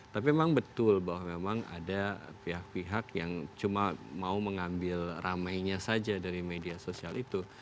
tapi memang betul bahwa memang ada pihak pihak yang cuma mau mengambil ramainya saja dari media sosial itu